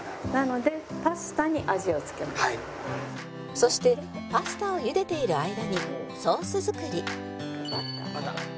そしてパスタをゆでている間にソース作り